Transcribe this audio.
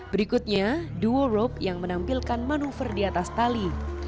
berikutnya duo rope yang menampilkan manuver di atas tali